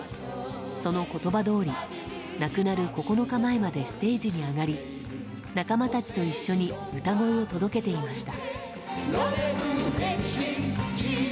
その言葉どおり、亡くなる９日前までステージに上がり仲間たちと一緒に歌声を届けていました。